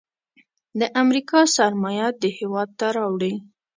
د امریکا سرمایه دې هیواد ته راوړي.